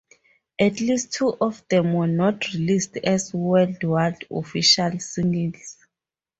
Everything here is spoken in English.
At least two of them were not released as worldwide official singles.